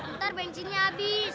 ntar bensinnya habis